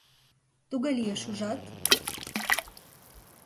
Туге лиеш, ужат?